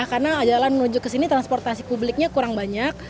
karena jalan menuju ke sini transportasi publiknya kurang banyak